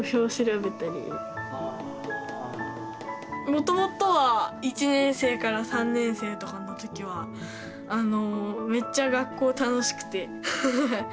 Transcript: もともとは１年生から３年生とかの時はあのめっちゃ学校楽しくてハハッ。